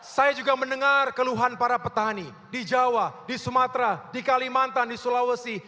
saya juga mendengar keluhan para petani di jawa di sumatera di kalimantan di sulawesi